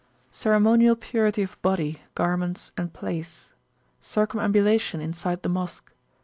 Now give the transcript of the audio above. Ceremonial purity of body, garments, and place. Circumambulation inside the Mosque.